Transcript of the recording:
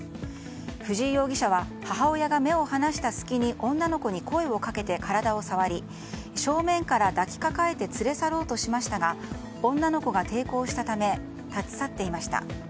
藤井容疑者は母親が目を離した隙に女の子に声をかけて体を触り正面から抱きかかえて連れ去ろうとしましたが女の子が抵抗したため立ち去っていました。